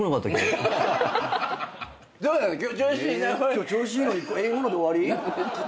今日調子いいのに今ので終わり？